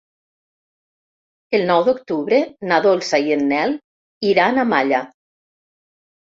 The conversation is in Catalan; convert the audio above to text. El nou d'octubre na Dolça i en Nel iran a Malla.